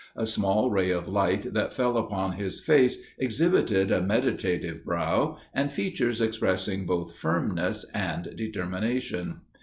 A small ray of light that fell upon his face exhibited a meditative brow, and features expressing both firmness and determination.